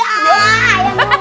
ah yang dubai